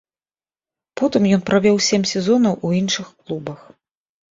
Потым ён правёў сем сезонаў у іншых клубах.